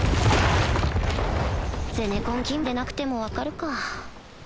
ゼネコン勤務でなくても分かるか